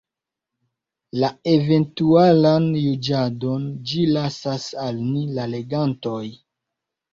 La eventualan juĝadon ĝi lasas al ni, la legantoj.